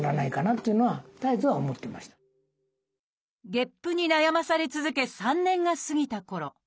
ゲップに悩まされ続け３年が過ぎたころ